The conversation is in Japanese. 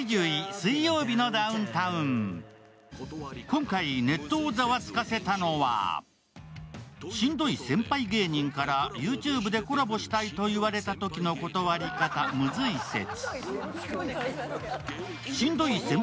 今回ネットをざわつかせたのは、しんどい先輩芸人からＹｏｕＴｕｂｅでコラボしたいと言われたときの断り方ムズイ説。